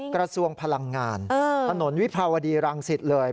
กระทรวงพลังงานถนนวิภาวดีรังสิตเลย